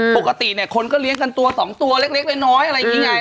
ปกติเนี่ยคนก็เลี้ยงกันตัว๒ตัวเล็กน้อยอะไรอย่างนี้ไง